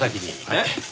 えっ？